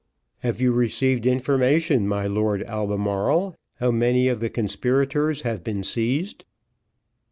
"Have you received information, my Lord Albemarle, how many of the conspirators have been seized?"